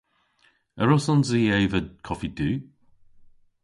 A wrussons i eva koffi du?